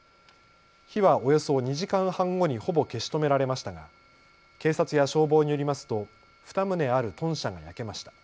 火はおよそ２時間半後にほぼ消し止められましたが、警察や消防によりますと２棟ある豚舎が焼けました。